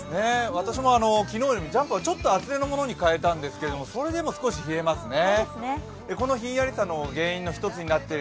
私も昨日よりジャンパーを厚手のものに変えたんですけどそれでも少し冷えますね。